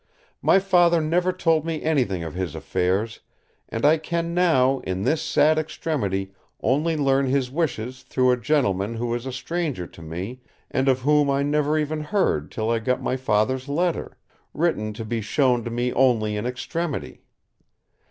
My Father never told me anything of his affairs; and I can now, in this sad extremity, only learn his wishes through a gentleman who is a stranger to me and of whom I never even heard till I got my Father's letter, written to be shown to me only in extremity.